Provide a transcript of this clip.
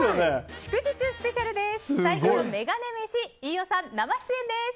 祝日スペシャルです。